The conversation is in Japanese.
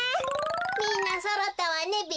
みんなそろったわねべ。